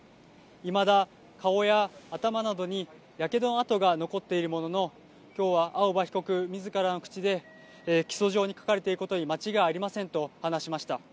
いまだ、顔や頭などにやけどの痕が残っているものの、きょうは青葉被告みずからの口で、起訴状に書かれていることに間違いありませんと話しました。